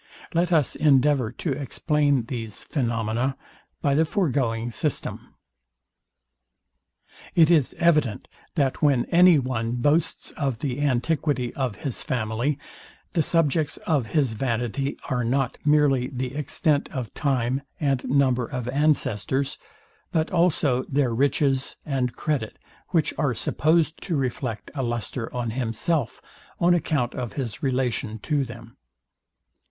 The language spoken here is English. Let us endeavour to explain these phaenomena by the foregoing system. It is evident, that when any one boasts of the antiquity of his family, the subjects of his vanity are not merely the extent of time and number of ancestors, but also their riches and credit, which are supposed to reflect a lustre on himself on account of his relation to them.